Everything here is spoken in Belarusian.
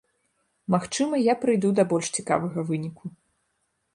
Магчыма, я прыйду да больш цікавага выніку.